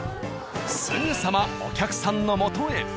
すぐさまお客さんの元へ。